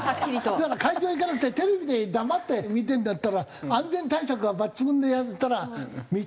だから会場行かなくてテレビで黙って見てるんだったら安全対策は抜群でやったら見たいなあやっぱり。